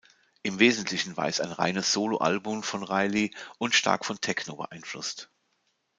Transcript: Im Wesentlichen war es ein reines Soloalbum von Reilly und stark von Techno beeinflusst.